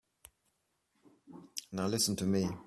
Now listen to me.